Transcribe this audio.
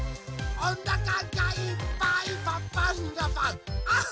おなかがいっぱいパパンがパン！あっ！